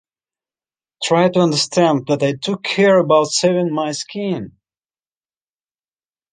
Try to understand that I too care about saving my skin.